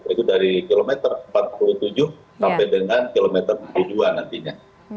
itu dari kilometer empat puluh tujuh sampai dengan kilometer tujuh puluh dua nantinya